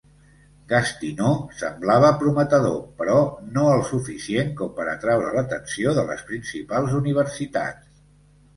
Gastineau semblava prometedor, però no el suficient com per atraure l"atenció de les principals universitats.